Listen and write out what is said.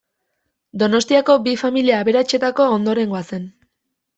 Donostiako bi familia aberatsetako ondorengoa zen.